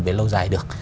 về lâu dài được